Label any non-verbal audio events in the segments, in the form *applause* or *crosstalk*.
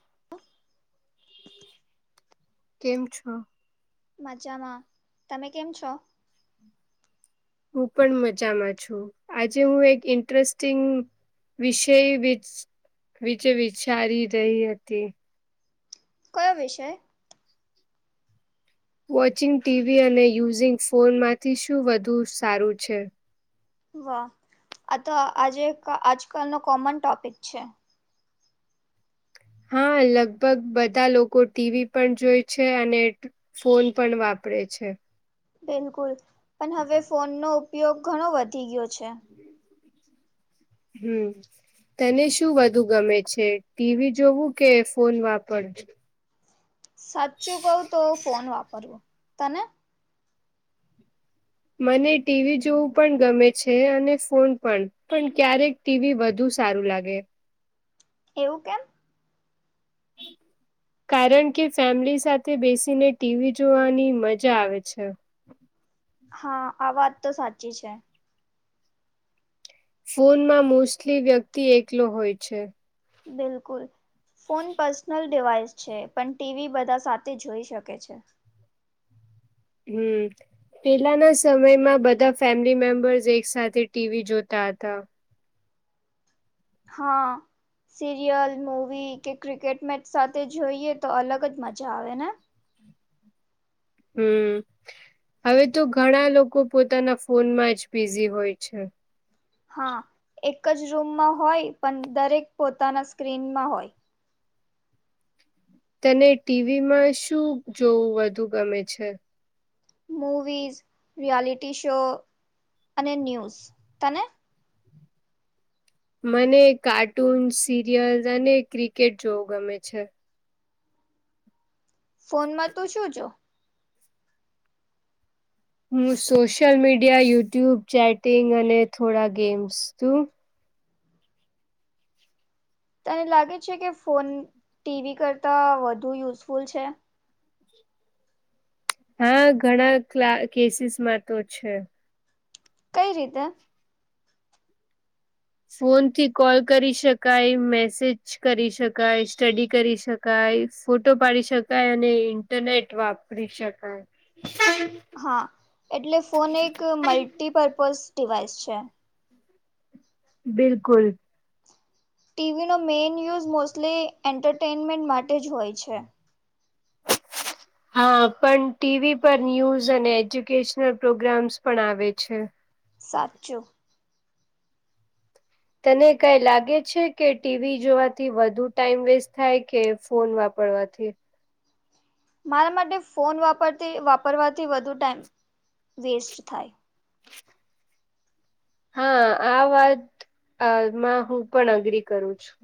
*unintelligible* કેમ છો. મજામાં તમે કેમ છો. હું પણ મજામાં છું આજે હું એક ઇન્ટરેસ્ટિંગ. વિષય વિ વિચ વિચારી રહી હતી. કયો વિષય. વોચિંગ ટીવી અને યુઝિંગ ફોનમાંથી શું વધુ સારું છે. વાહ આ તો આજે આજકાલનો કોમન ટોપિક છે. હા લગભગ બધા લોકો ટીવી પણ જોઈ છે અને. ફોન પણ વાપરે છે. બિલકુલ પણ હવે ફોનનો ઉપયોગ ઘણો વધી ગયો છે. હમ. તને શું વધુ ગમે છે ટીવી જોવું કે ફોન વાપર. સાચું કવ તો ફોન વાપરવું તને. મને ટીવી જોવું પણ ગમે છે અને ફોન પણ. પણ ક્યારેક ટીવી વધુ સારું લાગે. એવું કેમ. *inaudible* કારણ કે ફેમિલી સાથે બેસીને ટીવી જોવાની મજા આવે છે. હા આ વાત તો સાચી છે. ફોનમાં મોસ્ટલી વ્યક્તિ એકલો હોય છે. બિલકુલ. ફોન પર્સનલ ડિવાઇસ છે પણ ટીવી બધા સાથે જોઈ શકે છે. હમ. પેલાના સમયમાં બધા ફેમિલી મેમ્બર્સ એક સાથે ટીવી જોતા હતા. હા. સિરિયલ મૂવી કે ક્રિકેટ મેચ સાથે જોઈએ તો અલગજ મજા આવેને. હમ. હવે તો ઘણા લોકો પોતાના ફોનમાંજ બિઝી હોય છે. હા એકજ રૂમમાં હોય પણ દરેક પોતાના સ્ક્રીનમાં હોય. તને ટીવીમાં શું જોવું વધુ ગમે છે. મૂવીઝ રિયાલિટી શો અને ન્યૂઝ તને. મને કાર્ટૂન સિરિયલ અને ક્રિકેટ જોવું ગમે છે. ફોનમાં તું શું છો. હું સોશિ્યયલ મીડિયા યુટ્યુબ ચેટિંગ અને થોડા ગેમ્સ તું. તને લાગે છે કે ફોન ટીવી કરતા વધુ યુઝફુલ છે. હા ઘણા કલા કેસીસ માં તો છે. કઈ રીતે. ફોનથી કોલ કરી શકાય મેસેજ કરી શકાય સ્ટડી કરી શકાય. કાય ફોટો પાડી શકાય અને ઇન્ટરનેટ વાપરી શકાય. હા એટલે ફોન એક મલ્ટીપર્પઝ ડિવાઇસ છે. બિલકુલ ટીવીનો મેઇન યુઝ મોસ્ટલી એન્ટરટેનમેન્ટ માટે જ હોય છે. *inaudible* હા પણ ટીવી પર ન્યૂઝ અને એજ્યુકેશનલ પ્રોગ્રામ્સ પણ આવે છે. સાચૂ તને કઈ લાગે છે કે ટીવી જોવાથી વધુ ટાઈમ વેસ્ટ થાય કે ફોન વાપરવાથી. મારા માટે ફોન વાપરતી વાપરવાથી વધુ ટાઈમ વેસ્ટ થાય. હા આ વાતમાં હું પણ અગ્રી કરું છું.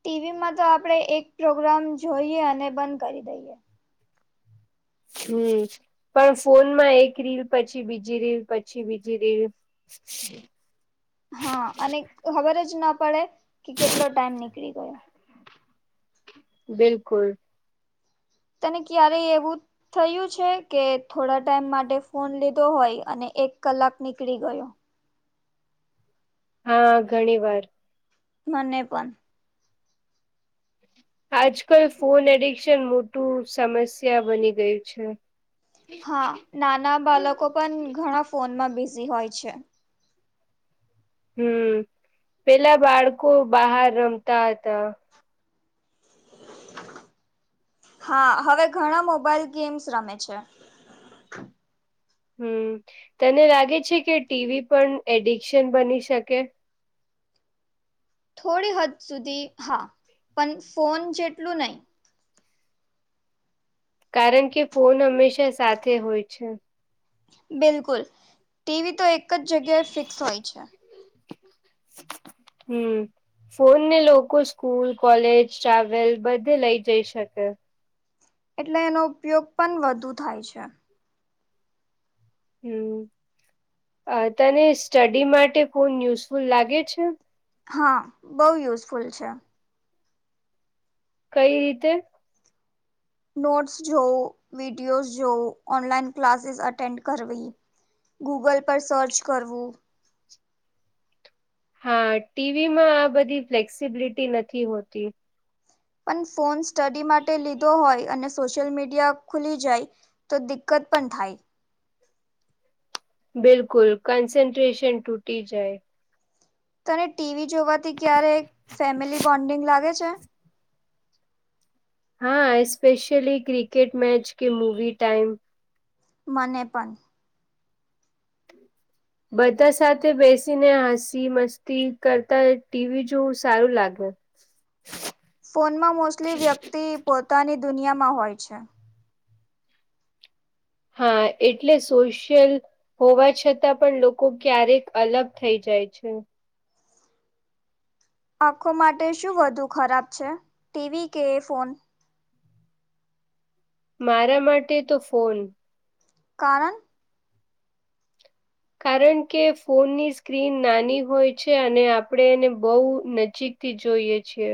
ટીવીમાં તો આપડણે એક પ્રોગ્રામ જોઈએ અને બંધ કરી દઈએ હમ પણ ફોનમાં એક રીલ પછી બીજી રીલ પછી બીજી રીલ. *inaudible* હા અને ખબર જ ના પડે કે કેટલો ટાઈમ નીકળી ગયો. બિલકુલ તને ક્યારેય એવું થયું છે કે થોડા ટાઈમ માટે ફોન લીધો હોય અને એક કલાક નીકળી ગયો. હા ઘણી વાર. મને પણ આજ કલ ફોન એડિક્શન મોટું સમસ્યા બની ગયું છે. હા નાના બાળકો પણ ઘણા ફોનમાં બિઝી હોય છે. હમ પેલા બાળકો બહાર રમતા હતા. હા હવે ઘણા મોબાઈલ ગેમ્સ રમે છે. હમ તને લાગે છે કે ટીવી પણ એડિક્શન બની શકે? થોડી હદ સુધી હા, પણ ફોન જેટલું નહી. કારણ કે ફોન હંમેશા સાથે હોય છે. બિલકુલ ટીવી તો એક જ જગ્યાએ ફિક્સ હોય છે. હમ ફોન ને લોકો સ્કૂલ, કોલેજ, ટ્રાવેલ બધે લઈ જઈ શકે. એટલે એનો ઉપયોગ પણ વધુ થાય છે. હમ તને સ્ટડી માટે ફોન યુઝફુલ લાગે છે. હા બહુ યુઝફુલ છે. કઈ રીતે? નોટસ જો વિડયોઝ, જો ઓનલાઈન ક્લાિસ અટેન્ડ કરવી. ગૂગલ પર સર્ચ કરવું. હા ટીવી માં આ બધી ફ્લેક્સિબિલિટી નથી હોતી. પણ ફોન સ્ટડી માટે લીધો હોય અને સોશિયલ મીડિયા ખુલી જાય તો દિકકત પણ થાય. બિલકુલ કન્સન્ટ્રેશન તૂટી જાય. તને ટીવી જોવાથી ક્યારે ફેમિલી બોન્ડિંગ લાગે છે. હા સ્પેશયલી ક્રિકેટ મેચ કે મૂવી ટાઈમ મને પણ બધા સાથે બેસીને હસી મસ્તી કરતા ટીવી જોવું સારું લાગે. ફોનમાં મોસ્ટલી વ્યક્તિ પોતાની દુનિયામાં હોય છે. હા એટલે સોશિયલ હોવા છતાં પણ લોકો ક્યારેક અલગ થઈ જાય છે. આખો માટે શું વધુ ખરાબ છે, ટીવી કે ફોન મારા માટે તો ફોન. કારણ કારણ કે ફોનની સ્ક્રીન નાની હોય છે અને આપણે એને બહુ નજીક થી જોઈએ છીએ.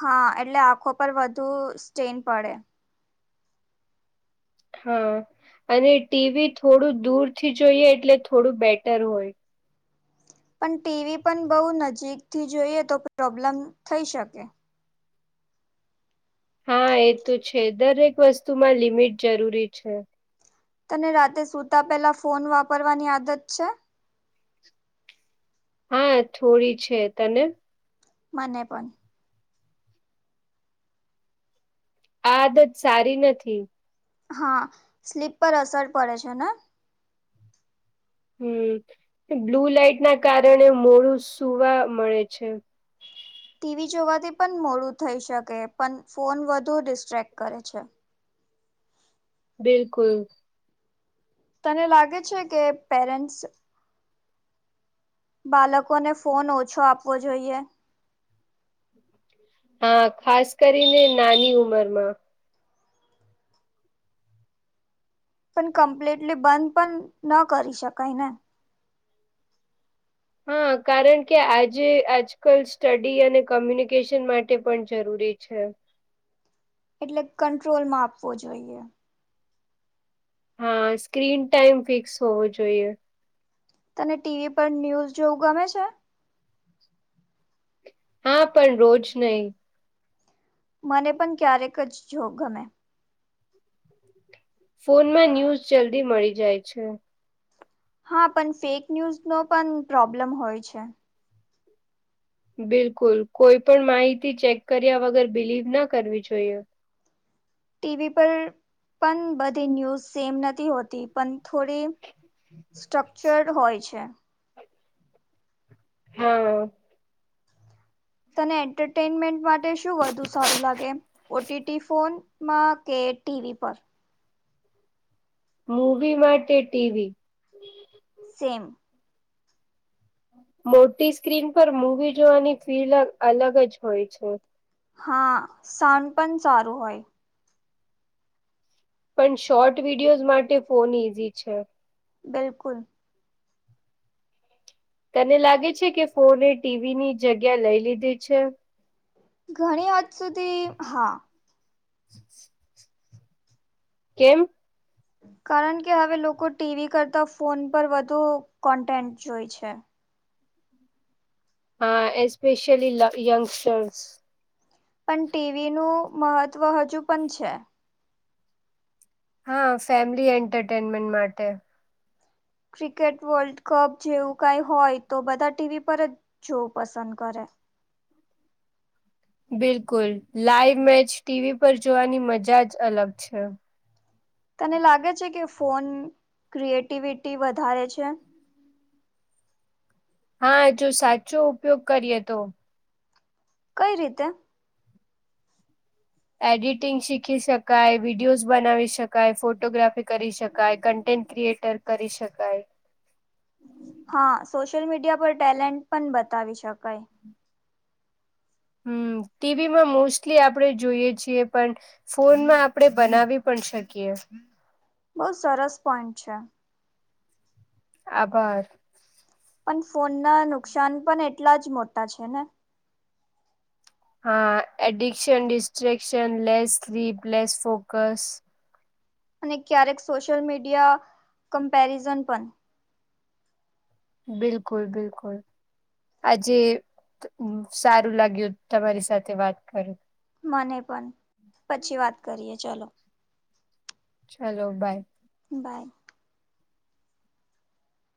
હા એટલે આંખો પર વધુ સ્ટેન પડે. હા અને ટીવી થોડું દૂર થી જોઈએ એટલે થોડું બેટર હોય પણ ટીવી પણ બહુ નજીકથી જોઈએ તો પ્રોબ્લમ થઈ શકે હા એ તો છે દરેક વસ્તુમાં લિમિટ જરૂરી છે. તને રાતે સુતા પેલા ફોન વાપરવાની આદત છે? હા થોડી છે તને? મને પણ આ આદત સારી નથી. હા સ્લીપ પર અસર પડે છે ને હમ્મ બ્લુ લાઈટ ના કારણે મોડું સુવા મળે છે. ટીવી જોવાથી પણ મોડું થઈ શકે પણ ફોન વધુ ડિસ્ટ્રેક્ટ કરે છે. બિલકુલ. તને લાગે છે કે પેરેન્ટસ બાળકોને ફોન ઓછો આપવો જોઈએ. હા ખાસ કરીને નાની ઉંમર માં પણ કમ્પ્લીટલી બંધ પણ ન કરી શકાય ને હા કારણ કે આજે આજકાલ સ્ટડી અને કોમ્યુનિકેશન માટે પણ જરૂરી છે. એટલે કંટ્રોલમાં આપવો જોઈએ. હા સ્ક્રીન ટાઈમ ફિક્સ હોવો જોઈએ. તને ટીવી પર ન્યુઝ જોવું ગમે છે. હા પણ રોજ નહી. મને પણ ક્યારેક જ જોવુ ગમે. ફોનમાં ન્યૂઝ જલ્દી મળી જાય છે. હા પણ ફેક ન્યુઝ નો પણ પ્રોબ્લેમ હોય છે. બિલકુલ કોઈ પણ માહિતી ચેક કર્યા વગર બિલીવ ન કરવી જોઈએ. ટીવી પર પણ બધી ન્યૂઝ સેમ નથી હોતી પણ થોડી હમ્મ *inaudible* સ્ટ્રક્ચર્ડ હોય છે. હા. તને એન્ટરટેનમેન્ટ માટે શું વધુ સારું લાગે. ઓટીટી ફોનમાં કે ટીવી પર મૂવી માટે ટીવી સેમ મોટી સ્ક્રીન પર મૂવી જોવાની ફીલ અલગ જ હોય છે હા સાંડ પણ સારું હોય પણ શોર્ટ વિડીયોઝ માટે ફોન ઈઝી છે. બિલકુલ. તને લાગે છે કે ફોને ટીવીની જગ્યા લઈ લીધી છે. ઘણી વાત સુધી હા. હ *inaudible* કેમ કારણ કે હવે લોકો ટીવી કરતાં ફોન પર વધુ કન્ટેન્ટ જોઈ છે. હા એસ્પેશલી યંગસ્ટર્સ પણ ટીવીનું મહત્ત્વ હજુ પણ છે. હા ફેમિલી એન્ટરટેનમેન્ટ માટે ક્રિકેટ વર્લ્ડ કપ જેવું કાઈ હોય તો બધા ટીવી પર જ જોવું પસંદ કરે બિલકુલ લાઈવ મેચ ટીવી પર જોવાની મજા જ અલગ છે. તને લાગે છે કે ફોન ક્રિએટિવિટી વધારે છે. હા જો સાચો ઉપયોગ કરીએ તો કઈ રીતે એડિટિંગ શીખી શકાય, વિડિયોઝ બનાવી શકાય, ફોટોગ્રાફી કરી શકાય, કન્ટેન્ટ ક્રિએટર કરી શકાય. હા સોશિયલ મીડિયા પર ટેલેન્ટ પણ બતાવી શકાય. હમ ટીવીમાં મોસ્ટલી આપણે જોઈએ છીએ પણ ફોનમાં આપણેે બનાવી પણ શકીએ. બઉ સરસ પોઈન્ટ છે. આભાર! પણ ફોનના નુકસાન પણ એટલા જ મોટા છે ને? હા addiction distraction less sleep less focus અને ક્યારેક સોશિયલ મીડિયા કમ્પેરિઝન પણ બિલકુલ બિલકુલ! આજે સારું લાગ્યું તમારી સાથે વાત કરું મને પણ પછી વાત કરીએ ચાલો! ચલો બાય બાય